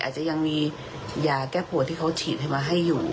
อาจจะยังมียาแก้ปวดที่เขาฉีดให้มาให้อยู่